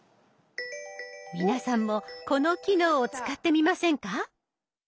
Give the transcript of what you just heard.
皆さんもこの機能を使ってみませんか？